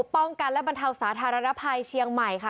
ป้องกันและบรรเทาสาธารณภัยเชียงใหม่ค่ะ